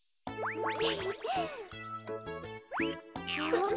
うん？